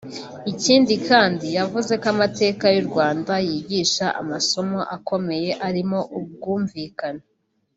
Ikindi kandi yavuze ko amateka y’u Rwanda yigisha amasomo akomeye arimo ubwumvikane